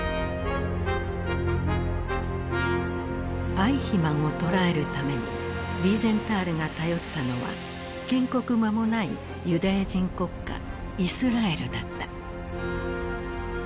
アイヒマンを捕らえるためにヴィーゼンタールが頼ったのは建国まもないユダヤ人国家イスラエルだった。